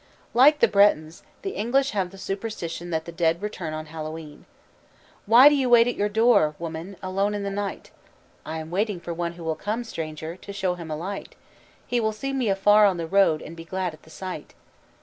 Like the Bretons, the English have the superstition that the dead return on Hallowe'en. "'Why do you wait at your door, woman, Alone in the night?' 'I am waiting for one who will come, stranger, To show him a light. He will see me afar on the road, And be glad at the sight.'